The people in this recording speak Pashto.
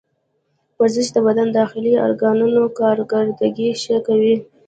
ورزش د بدن د داخلي ارګانونو کارکردګي ښه کوي.